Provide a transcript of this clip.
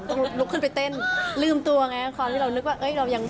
ต้องลุกขึ้นไปเต้นลืมตัวไงความที่เรานึกว่า